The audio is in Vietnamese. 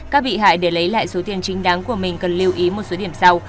các bị hại để lấy lại số tiền chính đáng của mình cần lưu ý một số điểm sau